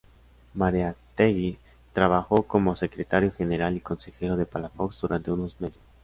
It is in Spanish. Mariátegui trabajó como secretario general y consejero de Palafox durante unos meses.